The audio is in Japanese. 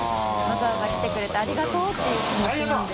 わざわざ来てくれてありがとうっていうせ㈭